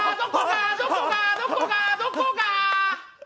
どこが？どこが？